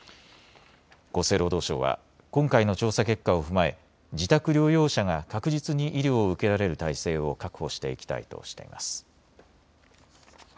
厚生労働省は今回の調査結果を踏まえ自宅療養者が確実に医療を受けられる体制を確保していきたいとしています。